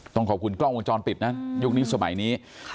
ต้องขอบคุณกล้องวงจรปิดนะยุคนี้สมัยนี้